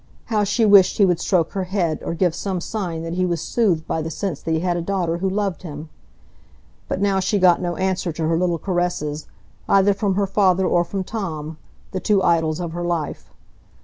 How she wished he would stroke her head, or give some sign that he was soothed by the sense that he had a daughter who loved him! But now she got no answer to her little caresses, either from her father or from Tom,—the two idols of her life.